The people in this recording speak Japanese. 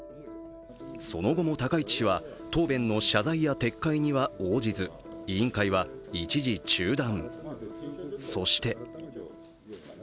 その後も高市氏は答弁の謝罪や撤回には応じず、委員会は一時中断。